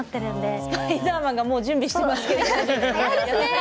スパイダーマンがもう準備していますけど。